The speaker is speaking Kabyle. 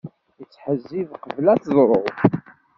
Ittḥezzib qebl ad teḍru.